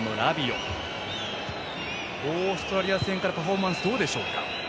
オーストラリア戦からパフォーマンスはどうでしょうか。